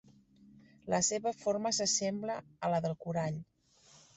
La seva forma s'assembla a la del corall.